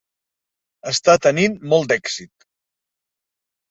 Està tenint molt d'èxit.